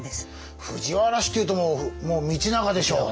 藤原氏っていうともうもう道長でしょう。